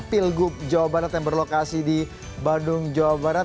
pilgub jawa barat yang berlokasi di bandung jawa barat